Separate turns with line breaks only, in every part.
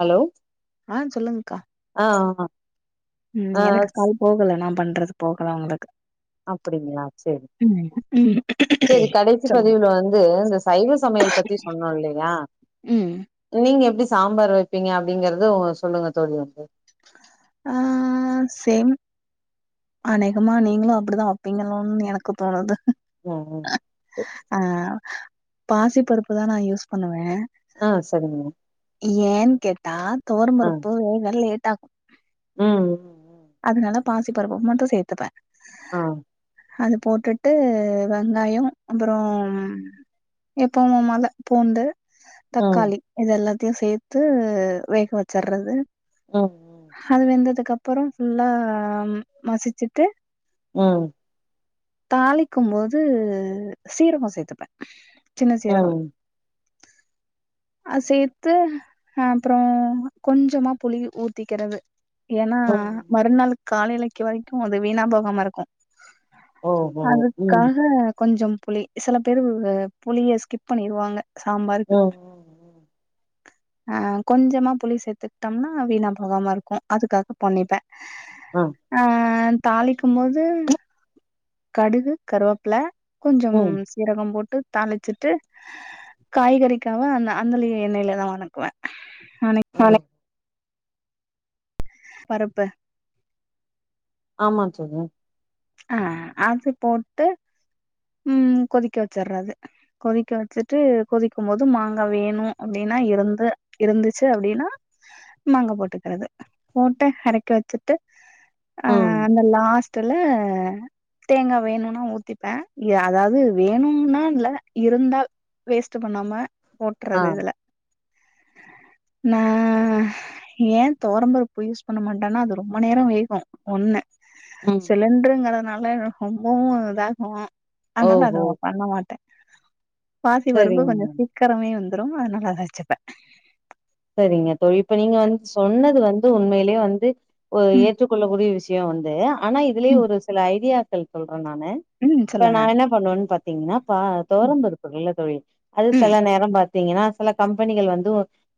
Hello
ஆ சொல்லுங்கக்கா
ஆ ஆமா
ம் எனக்கு கால் போகல நா பண்றது போகல அவுங்களுக்கு
அப்படிங்களா சரி
ம்
சரி கடைசி
சொல்லுங்க
பதிவுல வந்து இந்த சைவ சமையல் பத்தி சொன்னோல்லயா
ம்
நீங்க எப்டி சாம்பார் வப்பீங்க அப்டிங்கறது ஒ சொல்லுங்க தோழி வந்து
ஆஆஅ சேம் அநேகமா நீங்களு அப்டிதான் வப்பீங்களோன்னு எனக்கு தோணுது
ஓ ஹோ
ஆ பாசி பருப்பு தா நா யூஸ் பண்ணுவே
ஆ சரிங்க
ஏன் கேட்டா
ஆ
தொவரபருப்பு வேக லேட் ஆகு
ம் ம்
அதனால பாசி பருப்பு மட்டு சேத்துப்பே
ஆ
அது போட்டுட்டு வெங்காயோ அப்புறோம் எப்பவு மல பூண்டு
ம்
தக்காளி இது எல்லாத்தையு சேத்து வேக வெச்சற்றது
ம்
அது வெந்ததுக்கு அப்பறோ ஃபுல்லா மசிச்சுட்டு
ம்
தாளிக்கும்போது சீரகோ சேத்துப்பே சின்ன
ம்
சீரகம்
ம்
அது சேத்து அ அப்புறோ கொஞ்சமா புளி ஊத்திக்கிறது ஏன்னா
ஓ
மறுநாள் காலலிக்கு வரைக்கு அது வீணா போகாம இருக்கு
ஓ ம்
அதுக்காக கொஞ்சம் புளி சில பேரு புளிய ஸ்கிப் பண்ணிருவாங்க சாம்பாருக்கு
ம் ம்
ஆ கொஞ்சமா புளி சேத்துக்கிட்டம்னா வீணா போகாம இருக்கு அதுக்காக பண்ணிப்பே
அ
ஆ தாளிக்கும் போது கடுகு கருவப்புல
ம்
கொஞ்சம்
ம்
சீரகம் போட்டு தாளிச்சுட்டு காய்கறிக்கவ அந்த அந்தலய எண்ணெயிலதா வணக்குவ ஆனே
[unintelligible]
பருப்பு
ஆமா தோழி
ஆ அது போட்டு ம் கொதிக்க வெச்சறது கொதிக்க வச்சுட்டு கொதிக்கு போது மாங்கா வேணு அப்டின்னா இருந்து இருந்துச்சு அப்டின்னா மாங்கா போட்டுக்றது போட்டு எறக்கி வச்சுட்டு அ
ம்
அந்த லாஸ்ட்டுல அ தேங்கா வேணுனா ஊத்திப்ப அதாவது வேணும்னா இல்ல இருந்தால் வேஸ்ட்டு பண்ணாம
ஆ
போட்டறது இதுல நா ஏ தொவரம்பருப்பு யூஸ் பண்ண மாட்டோனா அது ரொம்ப நேரோ வேகு ஒண்ணு
ம்
சிலிண்டருங்கிறதுனால ரொம்பவு இதாகு அதனால அதோ
ஓஹோ
பண்ண மாட்ட பாசி பருப்பு கொஞ்சொ
சரிங்க
சீக்கரமே வந்துரு அதனால அத வெச்சுப்பே
செரிங்க தோழி இப்ப நீங்க வந்து சொன்னது வந்து உண்மையிலே வந்து அ
ம்
ஏற்றுக்கொள்ளக்கூடிய விஷ் யோ வந்து ஆனா இதுலயே
ம்
ஒரு சில ஐடியாக்கள் சொல்ற நானு
ம்
இப்ப
சொல்லுங்க
நா என்ன பண்ணோன் பாத்தீங்கன்னா பா
ம்
தொரம் பருப்புல்ல தொழி அது
ம்
சில நேரோ ப த்தீங்கன்னா சில கம்பெனிகள் வந்து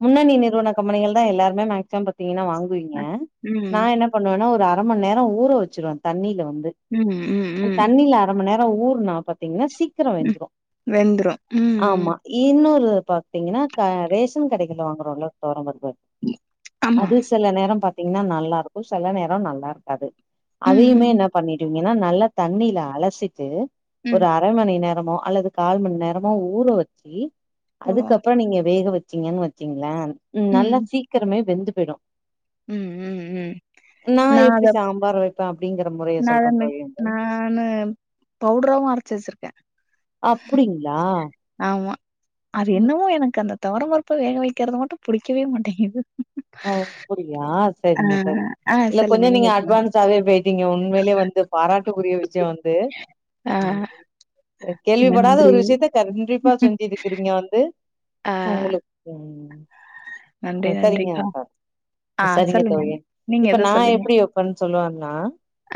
முன்னணி நிறுவன கம்பெனிகள் தா எல்லாருமே மேக்சிம் பாத்தீங்கன்னா வாங் குவீங்க
அ
நா
ம்
என்ன பண்ணுவேன்னா ஒரு அர மணி நேரோ ஊற வச்சிருவே தண்ணியில வந்து
ம் ம்
உ
ம்
தண்ணில அரை மணி நேரோ ஊர்னா பாத்தீங்கன்னா சிக் கிர
ம்
வெந்துரு
வெந்துரும் ம்
ஆமா இன்னொரு பாத்தீங்கன்னா கா ரேஷன் கடைகள்ள வாங்குறோள தோரோ பருப்பு
ஆமா
அது சில நேரோ பாத்தீங்கன்னா நல்லாருக்கு செல நேரோ நல்லாருக்காது
ம்
அதையுமே
ம்
என்ன பண்ணிடுவிங்கன்னா நல்லா தண்ணில அலசிட்டு
ம்
ஒரு அ ர மணி நேரமோ அல்லது கால் மணி நேரமோ ஊற வச்சி
ஓ
அதுக்கப்புறோ நீங்க வேக வ ச்சிங்கன்னு வச்சீங்ளே ம் நல்லா சீக்கிரமே வெந்து போயிடு
ம் ம் ம்
நா எப்டி சாம்பார் வெப்பே அப்டிங்கிற முறைய
நா அத
சொல்றே
மிக்
தோழி வ்ந்து
நானு பவுடராவு அரச்சி வச்சிருக்
அப்புடிங்ளா
ஆமா அது என்னவோ எனக்கு அந்த தொவரம் பருப்ப வேக வெக்கிறது மட்டு புடிக்கவே மாட்டேங்கிது
அப்புடியா செரிங்க தோழி
ஆ
இல்ல கொஞ்சோ
சொல்லுங்க
நீங்க
சொல்லுங்க
அட்வான்ஸ்ஸாவே போய் டீங்க உண்மையிலே வந்து பாராட்டுக்குரிய விஷயோ வந்து
ஆ
ம் அ கேள்விப்படாத
நன்றி
ஒரு விஷயத்த கண்டிப்பா செஞ்சுருக்கிறீங்க வந்து
ஆ
உங்குளுக்கு
நன்றி நன்றி கா
சரிங்க தோழி இப்ப
எதோ
நா
சொல்றீங்க
எப்டி வெப்பன்னு சொல்லுவன்னா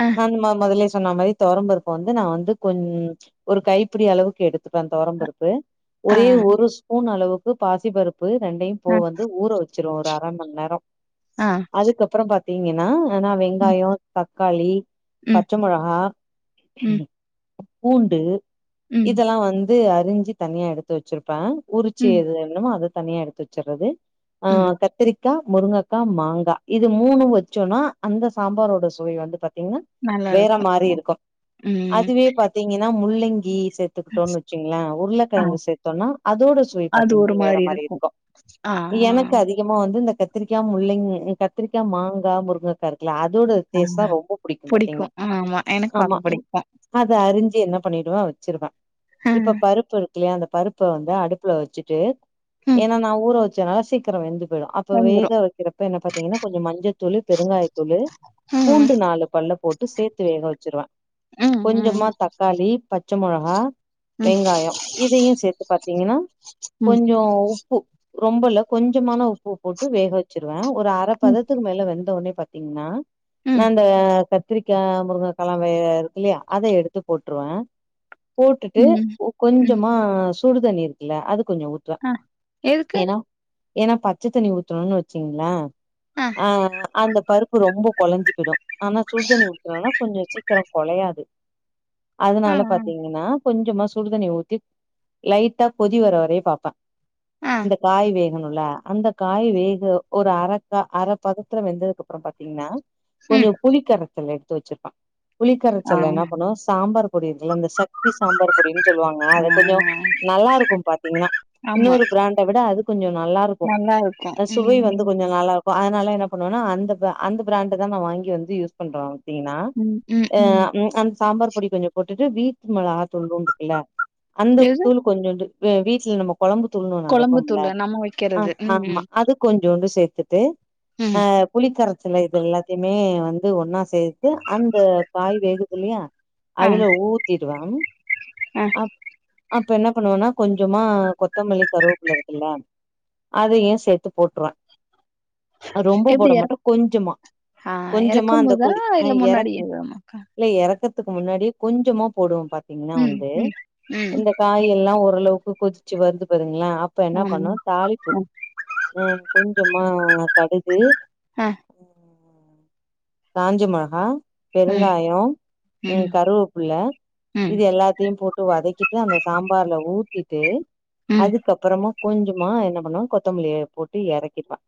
அ
நா மா மொதலே சொன்ன மாரி தோரம் பருப்ப வந்து நா வந்து கொஞ் ஒரு கைப்பபிடி அளவுக்கு எடுத்துப்ப தோரம் பருப்பு
ஆ
ஒரே ஒரு ஸ்பூன் அளவுக்கு பாசி பருப்பு ரெண்டையு போ
அ
வந்து ஊற வச்சிருவோ ஒரு அர மண் நேரோ
ஆ
அதுக்கப்புறோ பாத்தீங்கன்னா ஆனா
ம்
வெங்காயோ தக் காளி
ம்
பச்ச மொளகா
ம்
பூண்டு
ம்
இதெல்லா வந்து அறிஞ்சி தனியா எடுத்து வச்சிருப்ப உறிச்சி
ம்
அது என்னமோ அத தனியா எடுத்து வ ச்சிறது அ
ம்
கத்திரி க்கா முருங்கக்கா மாங்கா இது மூணு வச்சோன்னா அந்த சாம்பாரோட சுவை வந்து பாத்தீங்ன்னா வேற
நல்லாருக்கும்.
மாரி இருக்கு
ம்
அதுவே பாத்தீங்கன்னா முள்ளங்கி சே த்துக்கிட்டோன்னு வச்சிங்ளே
ஆ
உருளக்கெழங்கு சேத்தோன்னா அதோட சுவை
அது ஒரு
பாத்தீங்ன்னா வேற
மாதிரி
மாரி
இருக்கும்.
இருக்கோ
ஆ
எனக்கு அதிகமா வந்து இந்த கத்திரிக்கா முள்ளங் கத்திரிக்கா மாங்கா முருங்கக்கா இருக்குல அதோட
ஆ ஆ
டேஸ்ட் தா ரொம்ப புடிக்கு பாத்தீங்ன்னா
புடிக்கும். ஆமா எனக்கும்
ஆமா
அது
ம்
புடிக்கும்.
அத அரிஞ்சி என்ன பண்ணிடுவ வச்சிருவ
அ
இப்ப பருப்பு இருக்கில்யா அந்த பருப்ப வந்து அடுப்புல வச்சிட்டு
ம்
ஏன்னா நா ஊற வச் ஜாசீக்ரோ வெந்துது அப்போ வேக
வந்துரும்.
வெக்கறப்ப என்ன பாத்திங்ன்னா கொஞ்சோ மஞ்சத்தூளு பெருங்காயத் த்தூளு
ம்
பூண்டு நாலு பல்லு போட்டு சேத்து வேக வெச்சிருவே
ம்
கொஞ்சமா
ம்
தக்காளி பச்ச மொளகா வெங்காயோ இதயு சேத்து பாத்தீங்ன்னா
ம்
கொஞ்சோ உப்பு ரொம்பல்ல கொஞ்சமான உப்பு போட்டு வேக வச்சிருவே ஒரு அர
ம்
பதத்துக்கு மேல வெந் த ஒன்னே பாத்தீங்ன்னா
ம்
நாந்த பத் கத்திரிக்கா முருங்ககாலா வெ இருக்கு இல்லையா அத எடுத்து போட்டுருவே போட்டுட்டு
ம் ம் ம்
கொஞ்சமா சுடுதண்ணி இருக்குல அது கொஞ்சோ ஊத்துவே
அ
ஏன்னா ஏன்னா பச்சத்தண்ணி ஊத்துன்னோனு வச்சீங்ளே அ அந்த பருப் ப்பு ரொம்ப கொழஞ்சி போய்டு ஆனா சூடுதண்ணி ஊத்துனேனா கொஞ்சோ சீக்கிரோ கொழயாது
ஆ
அதனால பாத்தீங்ன்னா கொஞ்சமா சுடுதண்ணி ஊத்தி லைட்டா கொதி வர வரையு பாப்பே
ஆ ஆ
அந்த காய் வே கனுலா அந்த காய் வேக ஒரு அரக்க அர பதத்துல வெந்ததுக்கப்றோ பாத்தீங்ன்னா
ம்
கொஞ்சோ புளிக்கரத்தல் எடுத்து வச்சிருப்பே
ஆ
புளிக்கரச்சல்ல என்ன பண்ணுவே சாம்பார் பொடி இருக்குல்ல இந்த சக்தி சாம்பார் பொடினு சொல்லுவாங்க
ஆ
அது கொஞ்சோ நல்லாருக்கு பாத்தீங்ன்னா
ஆமா
இன்னொரு பிராண்ட விட அது கொஞ்சோ நல்லா இருக்கு
நல்லாருக்கும்.
சுவை
ம்
வந்து கொஞ்சோ ந ல்லா இருக்கு அதனால என்ன பண்ணுவேனா அந்த அந்த பிராண்டு தா நா வாங்கி வந்து யூஸ் பண்றே பாத்தீங்ன்னா
ம் ம்
அ ம் அந்த சாம்பார் பொடி கொஞ்சோ போட்டுட்டு வீட்டு மிளகா தூள்ளுன்னு இருக்குல்ல அந்த
எது
தூள்ளு கொஞ்சோண்டு வீ வீட்ல நம்ம கொழம்பு தூள்ன்னு ஒன்னு
கொழம்பு
அரைபோம்ல
தூளு நம்ம
அ
வைக்கிறது. ம்
ஆமா
ம்
அது கொஞ்சோண்டு சேத்துட்டு அ
ம்
புளிக்கர சில இது எல்லாத்தையுமே வந்து ஒன்னா சேத்து அந்த காய் வேகுதுல்லயா அதுல ஊத்திருவே
அஹ்
அப்ப என்ன பண்ணுவேனா கொஞ்சமா கொத்தமல்லி கருவப்புள்ள இருக்குல்ல அதையு சேத்து போட்டுருவே ரொம்ப போட மாட்டே கொஞ்சமா
ஆஹ்
கொஞ்சமா
இறக்கும்
அந்த
போதா
கொதி அ
இல்ல
எறக்
முன்னாடியேவா
இல்ல இறக்கறத்துக்கு முன்னாடியே கொஞ்சமா போடுவோ பாத்தீங்ன்னா
ம்
வந்து
ம் ம்
இந்த காயெல்லா ஓரளவுக்கு கொதிச்சு வந்து பாருங்களே அப்ப என்ன
ஆமா
பண்ணுவோ தாளிப்பு
ம்
ஆஹ் கொஞ்சமா கடுகு
அஹ்
காஞ்சி மிளகா
ம்
பெருங்காயோ உம்
ம்
கருவேப்புள்ள
ம்
இது எல்லாத்தயு போட்டு வதக்கி அந்த சாம்பார்ல ஊத்திட்டு
ம்
அதுக்கப்புறமா கொஞ்சமா என்ன பண்ணுவோ கொத்தமல்லிய போட்டு இறக்கிடுவோ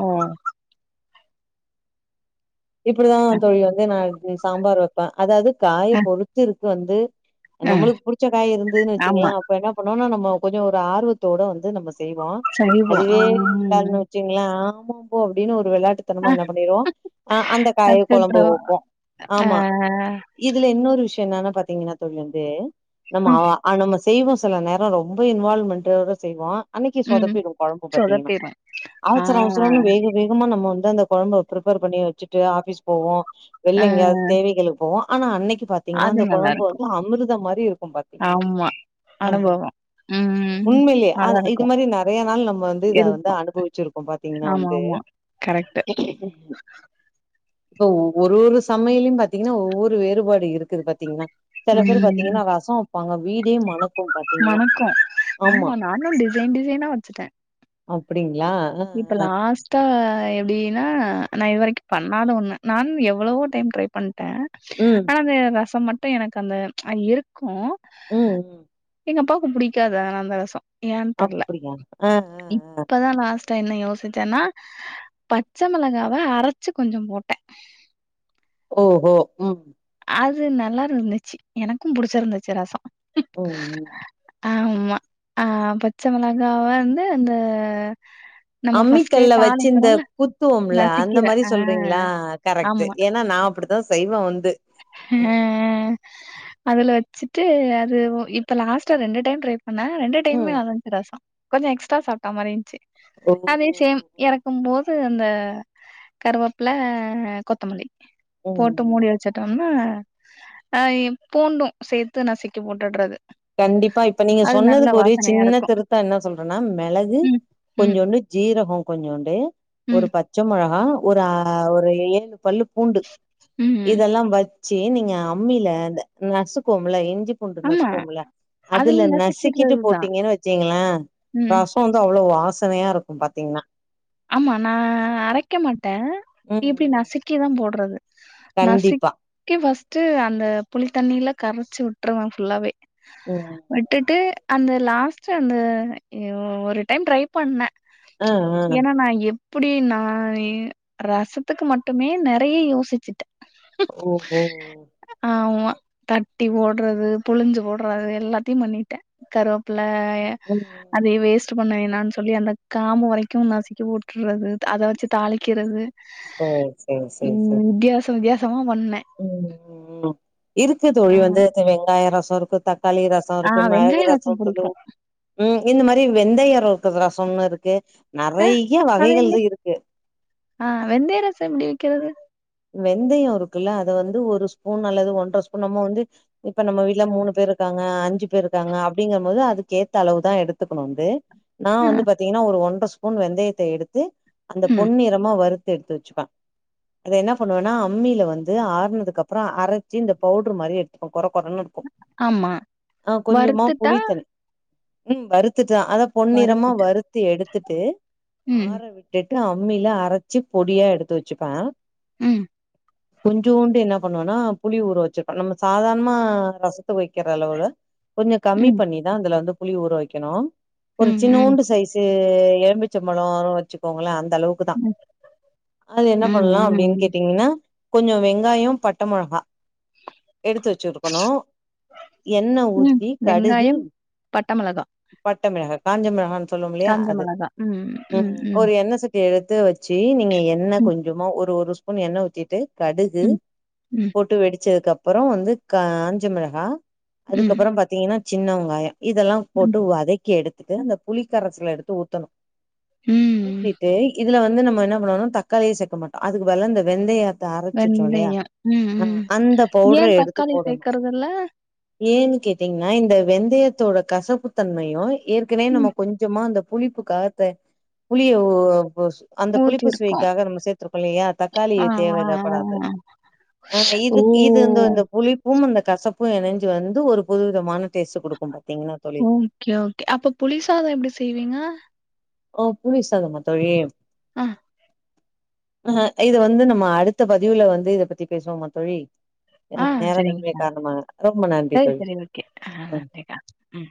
ஆஹ்
இப்படிதா தோழி வந்து நா சாம்பார் வப்பே அதாவ்து காய
அ
பொறுத்து இருக்கு வந்து
அ
நம்ளுக்கு புடிச்ச காயு இருந்துதுன்னு வச்சுங்களே
ஆமா
அப்ப என்ன பண்ணுவோம்னா நம்ம கொஞ்சோ ஒரு ஆர்வத்தோட வந்து நம்ம செய்வோ
சைவோ ஆ
அதுவே இல்லன்னு வச்சுங்களே ஆமாம்போ அப்டின்னு ஒரு விளையாட்டுத்தனமா
ஆ
என்ன பண்ணிருவோ ஆஹ் அந்த காய்யு குழம்பு
கத்துட்ருவோ
வப்போ
ஆ
ஆமா இதுல இன்னொரு விஷயோ என்னன்னா பாத்தீங்ன்னா தோழி வந்து நம்ம ஆ
ம்
ஆ நம்ம செய்வோ சில நேரோ ரொம்ப இன்வால்வ்மெண்ட்டோட செய்வோ அன்னைக்கு
ம்
சொதப்பிடு குழம்பு பாத்தீங்ன்னா
சொதப்பிரு ஆ
அவசர அவசரமா வேக வேகமா நம்ம வந்து அந்த கொழம்ப பிரிப்பேர் பண்ணி வச்சுட்டு ஆபீஸ் போவோ
ஆ
வெளில எங்கேயாவது தேவைகளுக் ப்ப ஆனா அன்னக்கி பாத்தீங்னா
அது
அந்த கொழம்பு
நல்லாருக்கு
வந்து அமிர்தம் மாரி இருக்கு பாத்தீங்னா
அனுபவொ
உண்மைலையே இது மாரி நெறைய நாள் நம்ம வந்து இத வந்து
இருக்கு
அனுபவச்சிருக்கோ பாத்தீங்னா
ஆமா
வந்து
ஆமா கரெக்ட்டு
[inaudible] இப்ப ஒரு ஒரு சமையலயு பாத்தீங்னா ஒவ்வொரு வேறுபாடு இருக்குது பாத்தீங்னா சில பேர்
ம்
பாத்தீங்கன்னா ரசொ வப்பாங்க வீடே மணக்கு பாத்தீங்கன்னா ஆம்மா
ரெண்டிசைனா வச்சுட்ட
அப்டிங்ளா
இப்போ லாஸ்ட்டா எப்டின்னா நா இதுவரைக்கு பண்ணாத ஒன்னு நா எவ்ளவோ டைம் ட்ரை பண்ட்டே
ம்
ஆனா அந்த ரசம் மட்டு எனக்கு அந்த இருக்கு
ம்
எங்க அப்பாவுக்கு புடிக்காத அந்த ரசொ ஏன்னு தெர்ல
அப்டியா ஆ ஆ ஆ
இப்பதா லாஸ்டா என்ன யோசிச்சேன்னா பச்ச மொளகாவ அரச்சு கொஞ்ச போட்ட
ஓஹோ ம்
அது நல்லா ருந்துச்சு எனக்கு புடிச்சுருந்துச்சு ரசொ
ம் ம்
ஆமா ஆ பச்ச மொளகாவ வந்து அந்த நம்ம ஃபர்ஸ்ட்டே
அம்மிக்கல்ல வச்சு இந்த
தாளிக்கிறோம்ல,
குத்துவோம்ல அந்த
நசுக்கிற
மாரி
ஆ
சொல்றீங்ளா கரெட்டு
ஆமா.
ஏன்னா நா அப்படி த செய்வா வந்து
அ அதுல வச்சுட்டு அது இப்ப லாஸ்ட்ல ரெண்டு டைம் டிரை ஆனா ரெண்டு டைமே
ம்
நல்லாந்துச்சு ரசொ கொஞ்ச எக்ஸ்ட்டா சாப்ட்டா மாரிந்ச்சு அதே
ஓஹோ
சேம் எறக்கும்போது அந்த கருவாப்ள கொத்தமல்லி
ஓஹோ.
போட்டு
ம்
மூடி வச்சுட்டோம்னா அ பூண்டும் சேத்து நசிக்கி போட்டுட்றது
கண்டிப்பா இப்ப நீங்க சொன்னதுக்கு ஒரே சின்ன
இருக்கு
திருத்தொ என்ன சொல்றன்னா மெளகு
ம் ம்
கொஞ்சோண்டு ஜீரகொ கொஞ்சோண்டு ஒரு
ம்
பத் பச்ச மொளகா ஒரு ஒரு ஏழு பல்லு பூண்டு
ம்
இதெல்லா வ ச்சு சரி நீங்க அம்மில இந்த நசுக்வோம்ல இஞ்சி பூண்டு
ஆமா
நசுக்வோம்ல அதுல நசிக்கிட்டு போட்டீங்கன்னு வச்சிகங்ளே
ம்
ரஸ் இப்ப வந்து அவ்ளவு வாசனையா இருக்கு பாத்தீங்ன்னா
ஆமா நா அரைக்க மாட்ட
ம்
இப்டி
ம்
நசுக்கிதா போட்றது நசிக்
கண்டிப்பா
பஸ்ட்டு அந்த புளித் தண்ணிய்ல கரச்சு வுட்ருவே ஃபுல்லாவே
ம்
விட்டுட்டு அந்த லாஸ்ட் அந்த ஒரு டைம் ட்ரை பண்ண
ஆ ஆ
ஏனா நா எப் இப்டி னா ரசத்துக்கு மட்டுமே நெறைய யோசிச்சிட்டே
ஓ ஹோ
ஆமா தட்டி போட்றது புழுஞ்சு போட்றது எல்லாத்தையு பண்ணிட்ட கருவப்பில
ம் ம்.
அதே வேஸ்ட் பண்ண வேணானு சொல்லி அந்த காமு வரைக் உ நசிக்கு போட்றது அத வச்சு தாளிக்கிறது
சரி சரி
ம் வித்தியாச வித்தியாசமா பண்ணெ
உம் உம் இருக்கு தோழி
ஆ
வந்து அந்த வெங்காய ரசம் இருக்கு தக்காளி ரச ரசொ
ஆ
இருக்கு மிளகு
வெங்காய
ரசம்
புடிக்கு
ம் இந்த மாரி வெந்தயர் இருக்குற ரசம்ன்னு இருக்கு
அ
நிறைய
அது எப்டி
வகைகள்ல இருக்கு
ஆ வெந்தய ரசம் எப்படி வக்கிறது
வெந்தயம் இருக்குல்ல அத வந்து ஒரு ஸ்பூன் அல்லது ஒன்ற ஸ்பூன் நம்ம வந்து இப்ப நம்ம வீட்டுல மூணு பேர் இருக்காங்க அஞ்சு பேர் இருக்காங்க அப்படிங்கற போது அதுக்க ஏத்த அளவுதான் எடுத்துக்கணும் வந்து நா
ஆ,
வந்து பாத்தீங்கன்னா ஒரு ஒன்ற ஸ்பூன் வெந்தயத்த எடுத்து அந்த
ம்,
பொன்னிறமா வறுத்து எடுத்து வச்சுப்பேன் அத என்ன பண்ணுவேன்னா அம்மியில வந்து ஆறுனதுக்கு அப்புறம் அரைச்சு இந்த பவுடரு மாரி எடுத்துக்கோம் கொற கொறன்னு க்கு
ஆமா.
ஆ கொஞ்சமா
வறுத்துட்டா
புளித்தண்ணி உம் வருத்துட்டு அத பொன்னிறமா
வறுத்துட்டு.
வருத்தி எடுத்துட்டு
ம்,
ஆற விட் டுட்டு அம்மில அரச்சி பொடியா எடுத்து வச்சுப்பேன்
ம்
கொஞ்ச உண்டு என்ன பண்ணுவோனா புளி ஊற வச்சிருப்போம் நம்ம சாதாரணமா ரசத்து வைக்கிற அளவுல கொஞ்சம் கம்மி
ம்,
பண்ணிதான் அதுல வந்து புளி ஊரு வைக்கணும் ஒரு
ம்,
சின்ன
ம்,
உண்டு சைஸு எல்மிச்சம்பழொ வச்சுக்கோங்களேன் அந்த அளவுக்கு தா
ம்,
அது என்ன
ம்,
பண்லாம் அப்டின்
ம்,
கேட்டீங்கன்னா கொஞ்சம் வெங்காயம் பட்ட மிளகா எடுத்து வச்சிருக்கணும் எண்ண
ம்.
ஊத்தி கடுகு
வெங்காயம், பட்ட மிளகா,
பட்டமெளகா காஞ்சமெளகான் சொல்லுங்களே அது ம் ஒரு எண்ண ச ட்டிய எடுத்து வச்சு நீங்க எண்ண
ம்,
கொஞ்சமா ஒரு ஒரு ஸ்பூன் எண்ண ஊத்திட்டு கடுகு
ம், ம்,
போட்டு வெடிச்சதுக்கு அப்புறம் வந்து காஞ்ச மிளகா
ம்,
அதுக்கப்புறம் பாத்தீங்கன்னா சின்ன வெங்காயம் இதெல்லாம்
ம்,
போட்டு வதக்கி எடு த்துட்டு அந்த புளி கரைச்சல எடுத்து ஊத்தணும்
ம்
ஊத்திட்டு இதுல வந்து நம்ம என்ன பண்ணணும் தக்காளியே சேர்க்க மாட்டோம் அதுக்கு வேல இந்த வெந்தயொ அரச்சுட்டோ இல்லயா
வெந்தயம். ம்,
அ
ம்.
அந்த பவுடர
ஏன்
எடுத்து
தக்காளி
போடணும்
சேக்கறதில்ல?
ஏன்னு கேட்டீங்கன்னா இந்த வெந்தயத்தோட கசப்புத்தன்மையும் ஏற்கனவே நம்ம
ம்,
கொஞ்சமா அந்த புளிப்புக்காக த புளிய அந்த புளிப்பு
ஊத்திருக்கோம்.
சுவைக்காக நம்ம சேர்த்திருக் இல்லயா தக்காளி
ஆ, ஆ, ஆ,
தேவைலாப்படாது
ஆ. ஓ!
இது இது இந்த இந்த புளிப்பும் அந்த கசப்பும் இணைஞ்சு வந்து ஒரு புதுவிதமான டேஸ்டு கொடுக்கும் பாத்தீங்கன்னா தோழி
ஓகே ஓகே அப்ப புளி சாதம் எப்டி செய்வீங்க
ஓ புளிஸ் சாதமா தோழி
ஆ
ஹ இத வந்து நம்ம அடுத்த பதிவுல வந்து இதை பத்தி பேசுவோம்மா தோழி ஏன்னா
ஆ,
நேர
சரிங்க.
நுன்மே கார்ணமா ரொம்ப நன்றி தோழி ம்
ம்